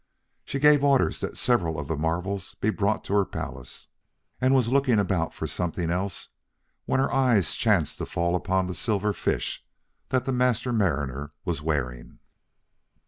She gave orders that several of the marvels be brought to her palace, and was looking about for something else, when her eyes chanced to fall upon the silver fish the Master Mariner was wearing.